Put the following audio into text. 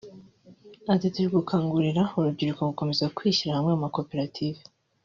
Ati “Turimo gukangurira urubyiruko gukomeza kwishyira hamwe mu makoperative